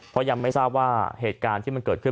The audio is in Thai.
เพราะยังไม่ทราบว่าเหตุการณ์ที่มันเกิดขึ้น